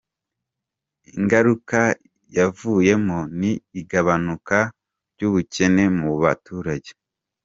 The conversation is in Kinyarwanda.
Ingaruka yavuyemo ni igabanuka ry’ubukene mu baturage”.